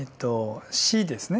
「止」ですね。